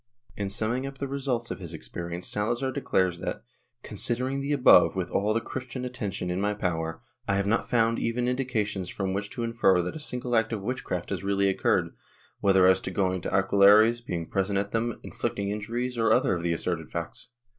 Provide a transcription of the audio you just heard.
In summing up the results of his experience Salazar declares that "Considering the above with all the Christian attention in my power, I have not found even indications from which to infer that a single act of witchcraft has really occurred, whether as to going to aquelarres, being present at them, inflicting injuries, 234 WITCHCRAFT [Book VIII or other of the asserted facts.